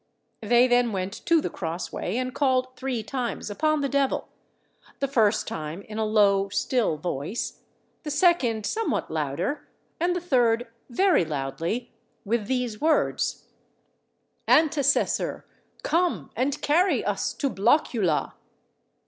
They then went to the cross way, and called three times upon the devil; the first time in a low still voice; the second, somewhat louder; and the third, very loudly, with these words, "Antecessor, come, and carry us to Blockula!"